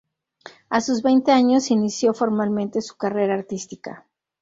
A sus veinte años inició formalmente su carrera artística.